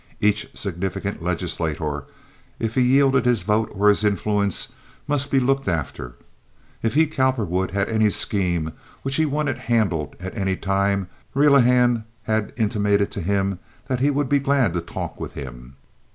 Each significant legislator, if he yielded his vote or his influence, must be looked after. If he, Cowperwood, had any scheme which he wanted handled at any time, Relihan had intimated to him that he would be glad to talk with him.